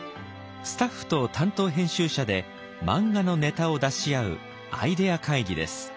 スタッフと担当編集者で漫画のネタを出し合うアイデア会議です。